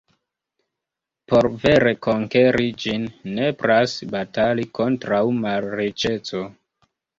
Por vere konkeri ĝin, nepras batali kontraŭ malriĉeco.